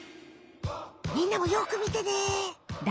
みんなもよく見てね。